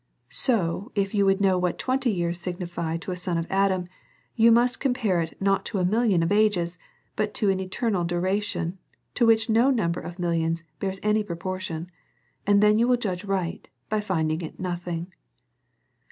So, if you would know what twenty years signify to a son of Adam, you must compare it, not to a million of ages, but to an eternal duration, to which no number of millions bears any proportion, and then you will judge right by finding nothing.